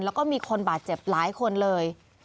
แล้วก็มีคนบาดเจ็บหลายคนเลย